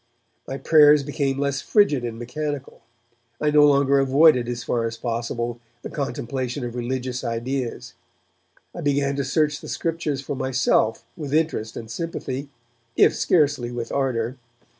My prayers became less frigid and mechanical; I no longer avoided as far as possible the contemplation of religious ideas; I began to search the Scriptures for myself with interest and sympathy, if scarcely with ardour.